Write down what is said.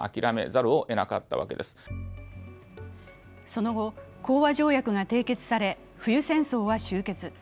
その後、講和条約が締結され冬戦争は終結。